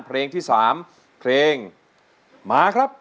เพลงที่๓เพลงมาครับ